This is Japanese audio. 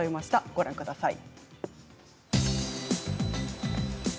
ご覧ください。